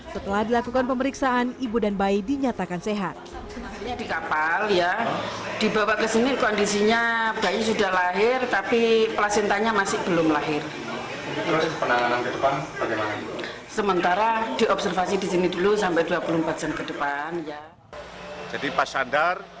setelah dilakukan pemeriksaan ibu dan bayi dinyatakan sehat